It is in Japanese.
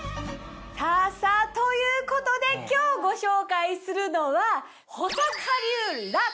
さぁさぁということで今日ご紹介するのは。